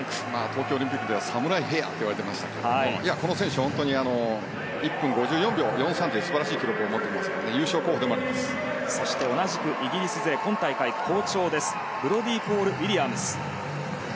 東京オリンピックではサムライヘアと言われていましたけどこの選手、１分５４秒４３という素晴らしい記録を持っていますからそして、同じくイギリス勢今大会好調ですブロディー・ポール・ウィリアムズ。